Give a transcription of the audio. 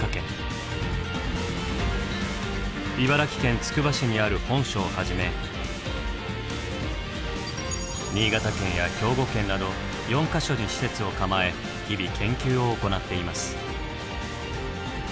茨城県つくば市にある本所をはじめ新潟県や兵庫県など４か所に施設を構え日々研究を行っています。